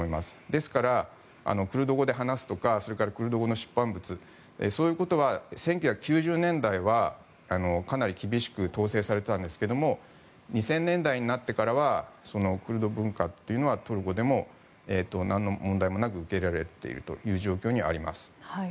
ですから、クルド語で話すとかそれからクルド語の出版物そういうことは１９９０年代はかなり厳しく統制されていたんですけども２０００年代になってからはクルド文化というのはトルコでもなんの問題もなく受け入れられているという状況にあります。